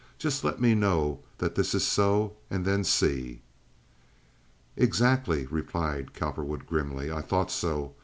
Just let me knaw that this is so, and then see!" "Exactly," replied Cowperwood, grimly. "I thought so.